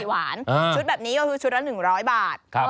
ชุดแบบนี้ก็คือชุดละหนึ่งร้อยบาท